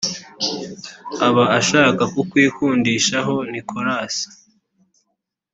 aba ashaka kukwikundishaho nicholas